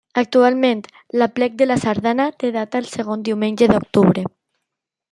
Actualment, l'Aplec de la Sardana té data el segon diumenge d’octubre.